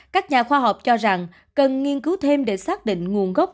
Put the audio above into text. các nhà khoa học cho rằng cần nghiên cứu thêm để xác định nguồn gốc